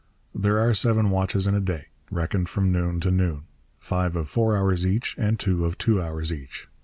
There are seven watches in a day, reckoned from noon to noon: five of four hours each and two of two hours each.